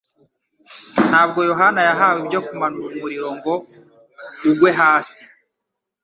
Ntabwo Yohana yahawe ibyo kumanura umuriro ngo ugwe hasi,